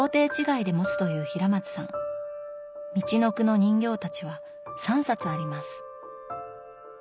「みちのくの人形たち」は３冊あります。